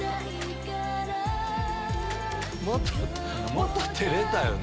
また照れたよね